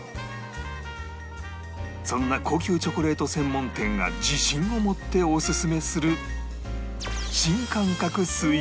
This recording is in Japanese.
そんな高級チョコレート専門店が自信を持っておすすめする新感覚スイーツが